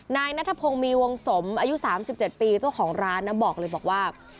นายนัทพงศ์มีวงสมอายุ๓๗ปีเจ้าของร้านนะบอกเลยบอกว่า